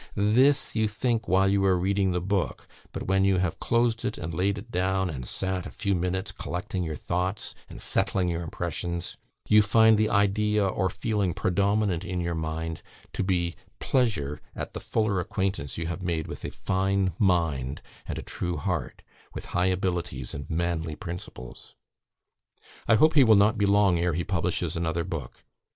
This you think while you are reading the book; but when you have closed it and laid it down, and sat a few minutes collecting your thoughts, and settling your impressions, you find the idea or feeling predominant in your mind to be pleasure at the fuller acquaintance you have made with a fine mind and a true heart, with high abilities and manly principles. I hope he will not be long ere he publishes another book.